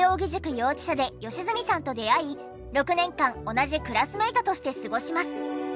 幼稚舎で良純さんと出会い６年間同じクラスメートとして過ごします。